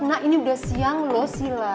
nah ini udah siang loh silla